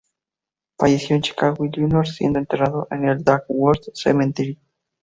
Falleció en Chicago, Illinois siendo enterrado en el 'Oak Woods Cemetery'.